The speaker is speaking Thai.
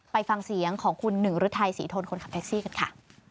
ไปฟังเสียงของคุณหนึ่งฤทัยศรีทนคนขับแท็กซี่กันค่ะ